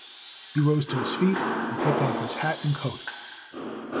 He rose to his feet and took off his hat and coat.